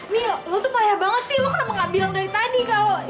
nih lo tuh payah banget sih lo kenapa nggak bilang dari tadi kalau